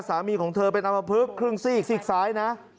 สามีของเธอเป็นอมพลึกครึ่งซีกซีกซ้ายนะ